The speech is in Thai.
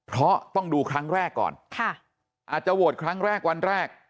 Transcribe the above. เพราะต้องดูครั้งแรกก่อนอาจจะโหวตครั้งแรกวันแรก